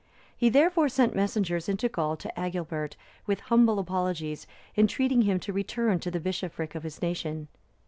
He, therefore, sent messengers into Gaul to Agilbert, with humble apologies entreating him to return to the bishopric of his nation.